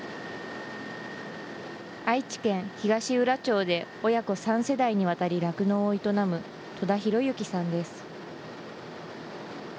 愛知県東浦町で、親子３世代に渡り酪農を営む戸田博行さんです。